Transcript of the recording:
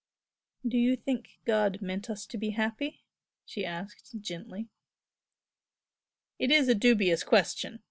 "Do you think God meant us to be happy?" she asked, gently. "It is a dubious question!"